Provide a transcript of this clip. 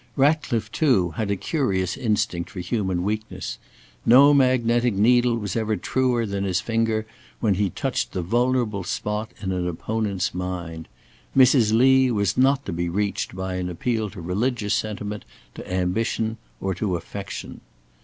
Ratcliffe, too, had a curious instinct for human weaknesses. No magnetic needle was ever truer than his finger when he touched the vulnerable spot in an opponent's mind. Mrs. Lee was not to be reached by an appeal to religious sentiment, to ambition, or to affection.